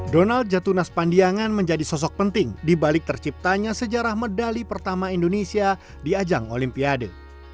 donald jatunas pandiangan menjadi sosok penting dibalik terciptanya sejarah medali pertama indonesia di ajang olimpiade